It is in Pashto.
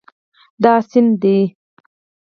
دا سیند دی